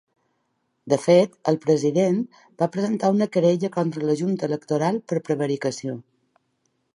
De fet, el president va presentar una querella contra la junta electoral per prevaricació.